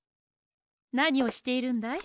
なにをしているんだい？